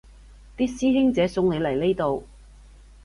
啲師兄姐送你嚟呢度